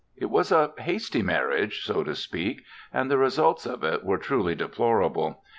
It was a hasty marriage, so to speak, and the results of it were truly deplorable.